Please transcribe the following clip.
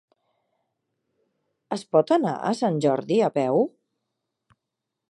Es pot anar a Sant Jordi a peu?